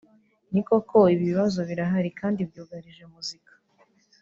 Nikoko ibi bibazo birahari kandi byugarije muzika